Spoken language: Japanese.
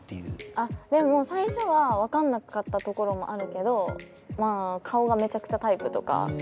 あっでも最初はわかんなかったところもあるけどまあ顔がめちゃくちゃタイプとか。